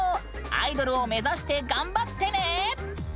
アイドルを目指して頑張ってね！